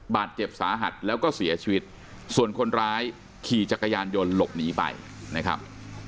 บาดเจ็บสาหัสแล้วก็เสียชีวิตส่วนคนร้ายขี่จักรยานยนต์หลบหนีไปนะครับ